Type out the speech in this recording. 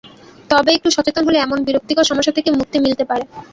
তবে একটু সচেতন হলে এমন বিরক্তিকর সমস্যা থেকে মুক্তি মিলতে পারে।